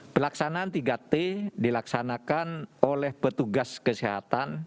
pelaksanaan tiga t dilaksanakan oleh petugas kesehatan